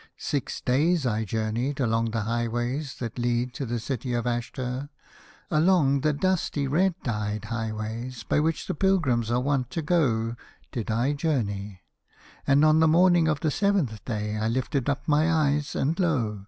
Six days I journeyed along the highways that lead to the city of Ashter, along the dusty red dyed highways by which the pilgrims are wont to go did I journey, and on the morning Gf the seventh o 97 A House of Pomegranates. day I lifted up my eyes, and lo